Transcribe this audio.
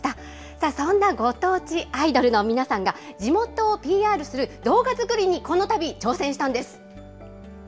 さあ、そんなご当地アイドルの皆さんが、地元をＰＲする動画作りにこの度、挑戦したんです。